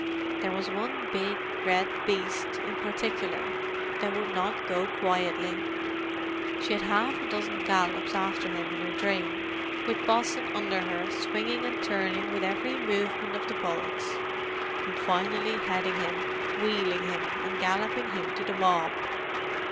There was one big red beast, in particular, that would not go quietly; she had half a dozen gallops after him in her dream with Bosun under her swinging and turning with every movement of the bullocks, and finally heading him, wheeling him, and galloping him back to the mob.